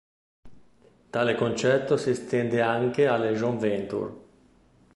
Tale concetto si estende anche alle joint venture.